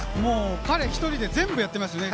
彼一人で全部やっていましたね。